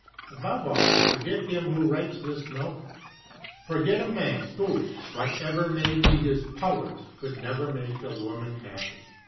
Above all, forget him who writes this note; forget a man, who, whatever may be his powers, could never make a woman happy.